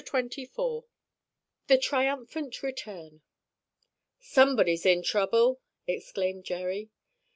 CHAPTER XXIV THE TRIUMPHANT RETURN "Somebody's in trouble!" exclaimed Jerry.